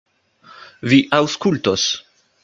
Vi aŭskultos!